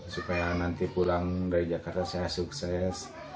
supaya nanti pulang dari jakarta saya sukses